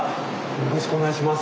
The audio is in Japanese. よろしくお願いします。